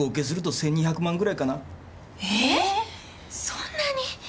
そんなに？